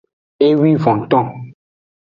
Ewivonton.